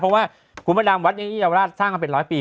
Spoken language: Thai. เพราะว่าคุณพระดำวัดนี้เยาวราชสร้างมาเป็นร้อยปี